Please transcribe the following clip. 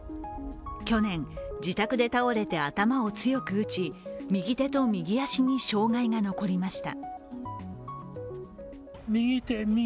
去年、自宅で倒れて頭を強く打ち右手と右足に障害が残りました。